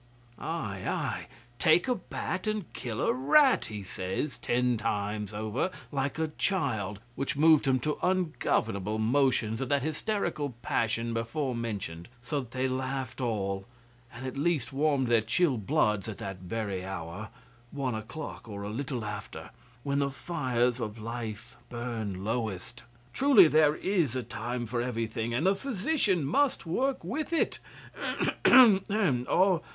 '"Aye, aye. Take a bat and kill a rat," he says ten times over, like a child, which moved 'em to ungovernable motions of that hysterical passion before mentioned, so that they laughed all, and at least warmed their chill bloods at that very hour one o'clock or a little after when the fires of life burn lowest. Truly there is a time for everything; and the physician must work with it ahem!